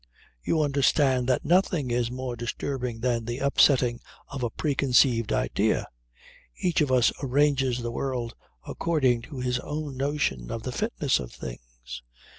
You understand that nothing is more disturbing than the upsetting of a preconceived idea. Each of us arranges the world according to his own notion of the fitness of things.